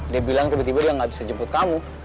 dia bilang tiba tiba dia nggak bisa jemput kamu